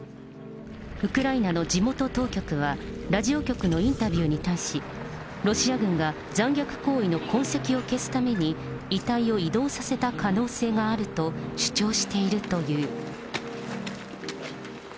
ウクライナの地元当局は、ラジオ局のインタビューに対し、ロシア軍が残虐行為の痕跡を消すために、遺体を移動させた可能性があると主張しているという。